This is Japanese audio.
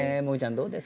どうですか？